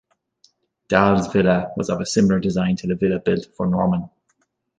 Dahl's villa was of a similar design to the villa built for Normann.